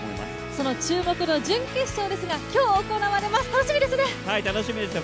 その注目の準決勝ですが今日行われます、楽しみですね。